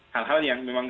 hal hal yang memang